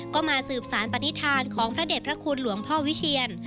ก็มาสืบสารปฏิฐานของพระเด็จพระคุณหลวงพ่อวิเชียน